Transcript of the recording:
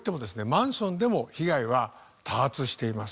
マンションでも被害は多発しています。